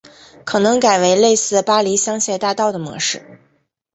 可能改为类似巴黎香榭大道的模式